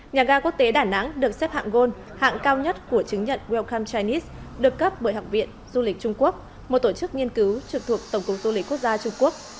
nhà ga quốc tế đà nẵng được xếp hạng gôn hạng cao nhất của chứng nhận welcom chines được cấp bởi học viện du lịch trung quốc một tổ chức nghiên cứu trực thuộc tổng cục du lịch quốc gia trung quốc